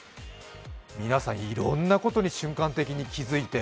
皆さん、いろんなことに瞬間的に気付いて。